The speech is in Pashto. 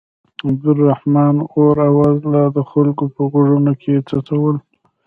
د عبدالرحمن اور اواز لا د خلکو په غوږونو کې څڅول.